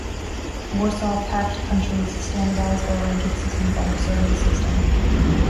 Warsaw Pact countries standardised their ranking systems on the Soviet system.